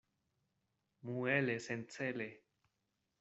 Muele sencele.